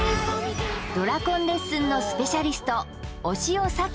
ドラコンレッスンのスペシャリスト押尾紗樹